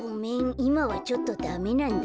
いまはちょっとダメなんだ。